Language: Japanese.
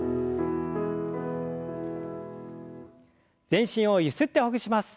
全身をゆすってほぐします。